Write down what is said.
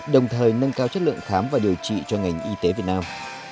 đồng thời nâng cao chất lượng khám và điều trị cho ngành y tế việt nam